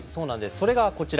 それがこちら。